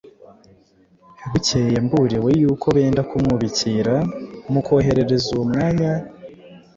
Bukeye mburiwe yuko benda kumwubikira, mukoherereza uwo mwanya